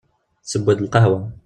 Tessew-d lqahwa.